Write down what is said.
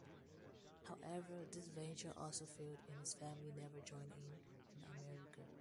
However, this venture also failed and his family never joined him in America.